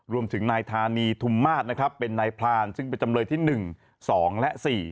รวมถึงนายธานีทุมมาศนะครับเป็นนายพรานซึ่งเป็นจำเลยที่๑๒และ๔